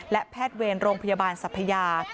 และแพทย์เวรโรงพยาบาลสัพยา